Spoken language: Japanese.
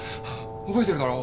覚えてるだろ？